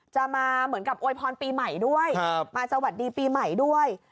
จะมาเหมือนกับโวยพรปีใหม่ด้วยมาสวัสดีปีใหม่ด้วย